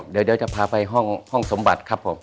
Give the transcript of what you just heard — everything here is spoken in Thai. เดี๋ยวจะพาไปห้องสมบัติครับผม